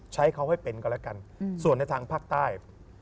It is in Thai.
ใช้เขาให้เป็นก็แล้วกันส่วนในทางภาคใต้